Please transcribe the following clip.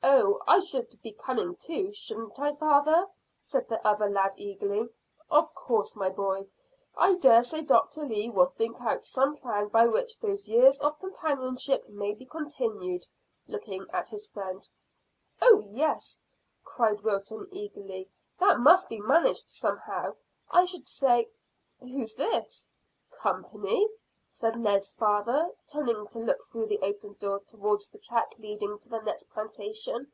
"Oh! I should be coming too, shouldn't I, father?" said the other lad eagerly. "Of course, my boy. I dare say Doctor Lee will think out some plan by which those years of companionship may be continued," looking at his friends. "Oh yes," cried Wilton eagerly; "that must be managed somehow. I should say Who's this?" "Company?" said Ned's father, turning to look through the open door towards the track leading to the next plantation.